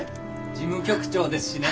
事務局長ですしね！